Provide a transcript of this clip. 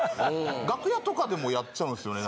楽屋とかでもやっちゃうんですよね。